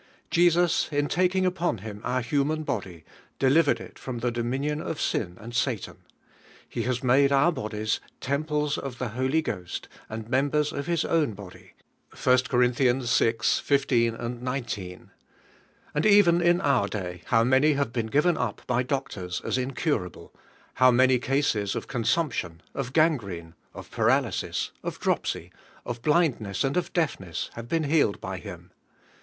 Jeans, in taking upon Hhn our human body, delivered it from the dominion of ein and Satan; He has made our bodies DTvmE EEAXINO. 31 temples of the Holy Ghost and membera of His own body (I. Cor. vi. 15, 19), and even in our day how many have been giv en up by the doctors as incurable, how many cases of consumption, of gangrene, of paralysis, of dropsy, of blindness and of deafness, have been healed by Him!